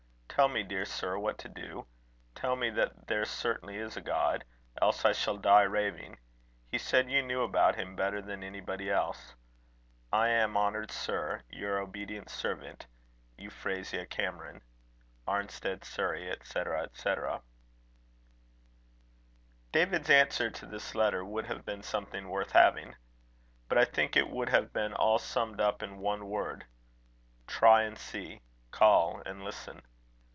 Tell me, dear sir, what to do. Tell me that there certainly is a God; else I shall die raving. He said you knew about him better than anybody else. "I am, honoured Sir, "Your obedient servant, "EUPHRASIA CAMERON. "Arnstead, Surrey, &c., &c." David's answer to this letter, would have been something worth having. But I think it would have been all summed up in one word: Try and see: call and listen.